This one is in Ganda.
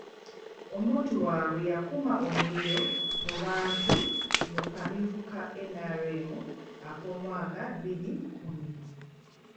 Omuntu waabwe yakuma omuliro mu bantu mu kamyufu ka NRM ak'omwaka bbiri kkumi.